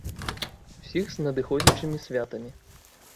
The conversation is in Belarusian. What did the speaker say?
Усіх з надыходзячымі святамі!